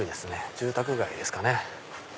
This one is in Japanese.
住宅街ですかね。